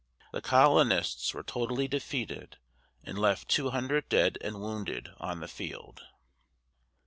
The colonists were totally defeated and left two hundred dead and wounded on the field.